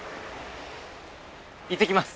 行ってきます！